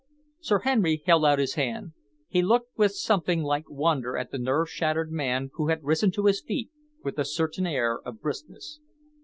Sir Henry held out his hand. He looked with something like wonder at the nerve shattered man who had risen to his feet with a certain air of briskness.